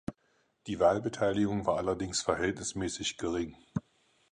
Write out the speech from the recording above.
Die Wahlbeteiligung war allerdings verhältnismäßig gering.